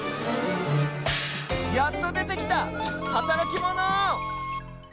やっとでてきたはたらきモノ！